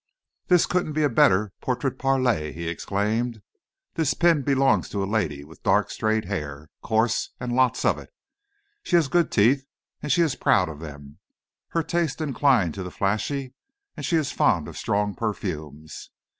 "There couldn't be a better portrait parlé!" he exclaimed. "This pin belongs to a lady with dark, straight hair, coarse, and lots of it. She has good teeth, and she is proud of them. Her tastes incline to the flashy, and she is fond of strong perfumes.